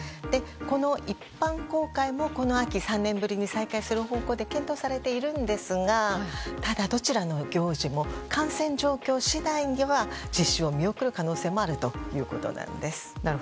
この一般公開もこの秋３年ぶりに再開される方向で検討されているんですがただ、どちらの行事も感染状況次第では実施を見送る可能性もあるということです。